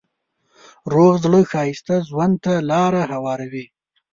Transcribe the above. روغ زړه ښایسته ژوند ته لاره هواروي.